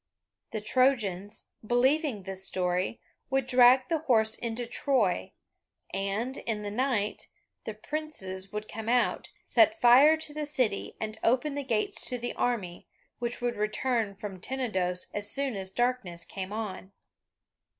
The Trojans, believing this story, would drag the horse into Troy, and, in the night, the princes would come out, set fire to the city, and open the gates to the army, which would return from Tenedos as soon as darkness came on.